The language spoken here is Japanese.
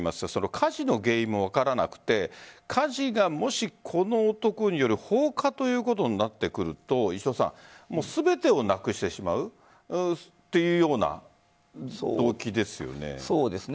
火事の原因も分からなくて火事が、もしこの男による放火ということになってくると全てをなくしてしまうというような動機ですよね。